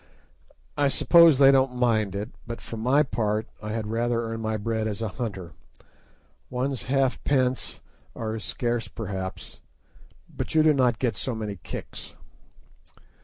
I suppose they don't mind it, but for my own part I had rather earn my bread as a hunter. One's halfpence are as scarce perhaps, but you do not get so many kicks.